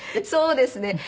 そうですね。